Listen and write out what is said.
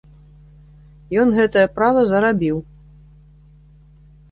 Ён гэтае права зарабіў.